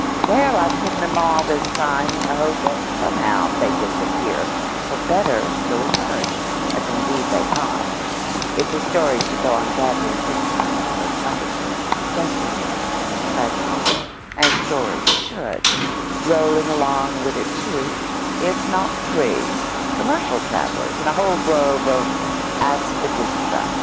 There I've hidden them all this time in the hope that somehow they'd disappear, or better still emerge, as indeed they must, if the story's to go on gathering richness and rotundity, destiny and tragedy, as stories should, rolling along with it two, if not three, commercial travellers and a whole grove of aspidistra.